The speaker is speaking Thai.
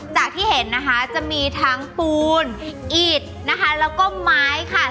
จากที่เห็นนะคะจะมีทั้งปูนอิดนะคะแล้วก็ไม้ค่ะ